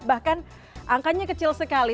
bahkan angkanya kecil sekali